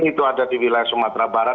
itu ada di wilayah sumatera barat